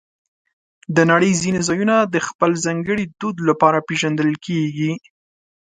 د نړۍ ځینې ځایونه د خپل ځانګړي دود لپاره پېژندل کېږي.